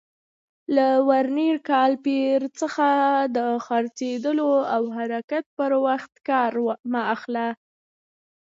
له ورنیر کالیپر څخه د څرخېدلو او حرکت پر وخت کار مه اخلئ.